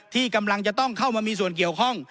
ที่กำลังจะต้องเข้ามามีส่วนเกี่ยวข้อง